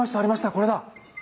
これだ！